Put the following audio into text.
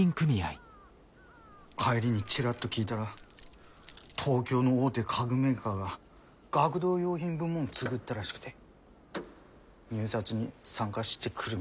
帰りにチラッと聞いだら東京の大手家具メーカーが学童用品部門作ったらしくて入札に参加してくるみたいです。